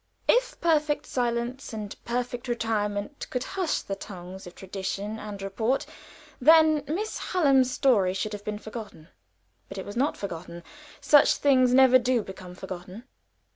If perfect silence and perfect retirement could hush the tongues of tradition and report, then Miss Hallam's story should have been forgotten. But it was not forgotten. Such things never do become forgotten.